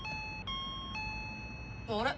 あれ？